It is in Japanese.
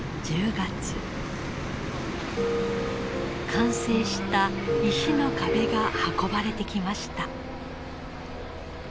完成した石の壁が運ばれてきました。